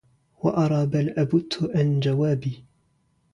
وأرى بل أبُتُّ أن جوابي